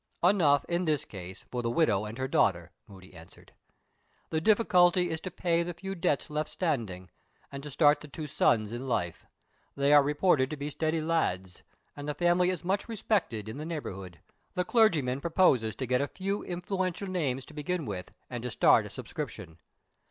"Enough, in this case, for the widow and her daughter," Moody answered. "The difficulty is to pay the few debts left standing, and to start the two sons in life. They are reported to be steady lads; and the family is much respected in the neighborhood. The clergyman proposes to get a few influential names to begin with, and to start a subscription."